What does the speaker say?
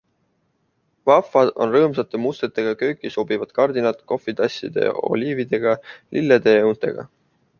Vahvad on rõõmsate mustritega kööki sobivad kardinad kohvitasside ja oliividega, lillede ja õuntega.